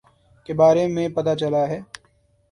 کے بارے میں پتا چلا ہے